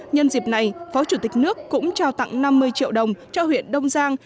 nhân dịp này phó chủ tịch nước cũng trao tặng năm mươi triệu đồng cho huyện đông giang